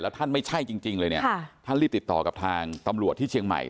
ท่านไม่ใช่จริงเลยเนี่ยท่านรีบติดต่อกับทางตำรวจที่เชียงใหม่